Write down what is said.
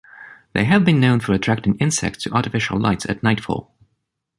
They have been known for attracting insects to artificial lights at nightfall.